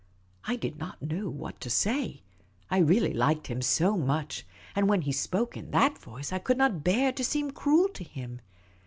I did not know what to say. I really liked him so much ; and when he spoke in that voice, I could not bear to seem cruel to him.